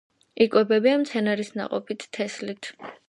იკვებებიან მცენარის ნაყოფით, თესლით.